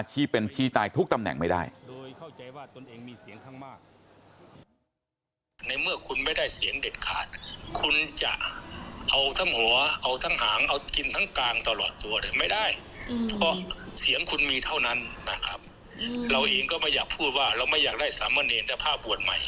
ขี้เป็นขี้ตายทุกตำแหน่งไม่ได้